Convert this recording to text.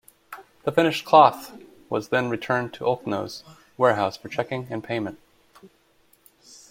The finished cloth was then returned to Oldknow's warehouse for checking and payment.